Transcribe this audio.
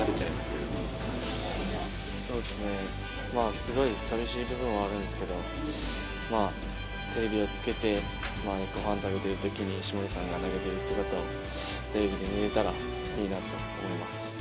すごい寂しい部分はあるんですけど、テレビをつけて御飯食べているときに石森さんが投げている姿をテレビで見れたらいいなと思います。